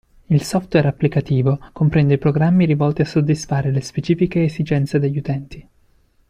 Il software applicativo comprende i programmi rivolti a soddisfare le specifiche esigenze degli utenti.